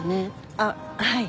あっはい。